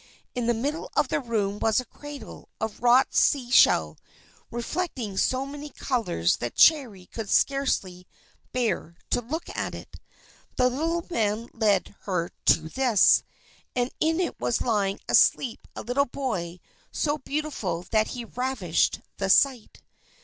In the middle of the room was a cradle of wrought sea shell, reflecting so many colours that Cherry could scarcely bear to look at it. The little man led her to this, and in it was lying asleep a little boy so beautiful that he ravished the sight.